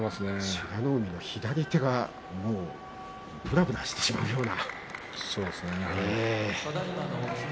美ノ海の左手がぶらぶらしてしまうような。